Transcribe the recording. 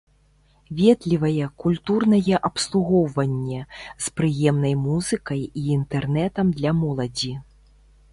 Ветлівае культурнае абслугоўванне, з прыемнай музыкай і інтэрнэтам для моладзі.